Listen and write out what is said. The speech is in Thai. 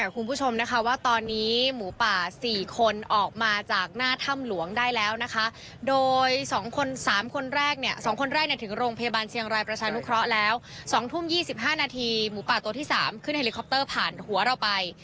๒ทุ่ม๒๕นาทีหมูประตูที่๓ขึ้นแฮลิคอปเตอร์ผ่านหัวเราไป